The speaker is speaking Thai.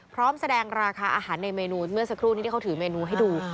พร้อมแสดงราคาอาหารในเมนูเมื่อสักครู่นี้ที่เขาถือเมนูให้ดู